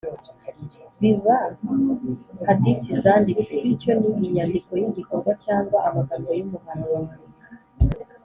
biba hadisi zanditse. bityo, ni inyandiko y’igikorwa cyangwa amagambo y’umuhanuzi.